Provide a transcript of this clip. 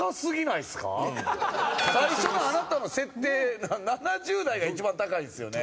最初のあなたの設定７０台が一番高いんですよね？